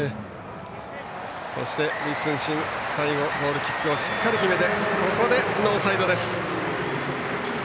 そして李承信最後のゴールキックをしっかり決めてノーサイドです。